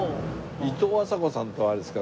いとうあさこさんとはあれですか？